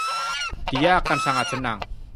Dia akan sangat senang.